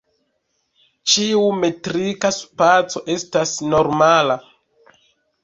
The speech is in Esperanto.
Ĉiu metrika spaco estas normala.